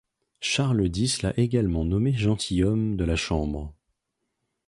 Charles X l'a également nommé gentilhomme de la Chambre.